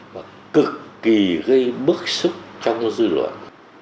và cực kỳ gây bức xúc trong dư luận